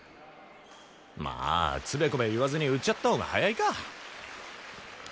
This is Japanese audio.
まあつべこべ言わずに打ち合ったほうが早いか。